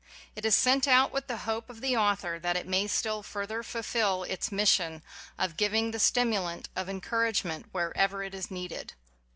It is sent out with the hope of the author that it may still further fulfill its mission of giving the stimulant of encourage ment wherever it is needed.